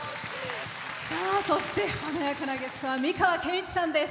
そして、華やかなゲストは美川憲一さんです。